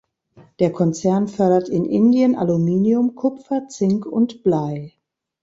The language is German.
Der Konzern fördert in Indien Aluminium, Kupfer, Zink und Blei.